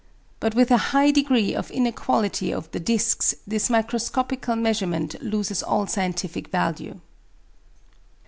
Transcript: =But with a high degree of inequality of the discs this microscopical measurement loses all scientific value.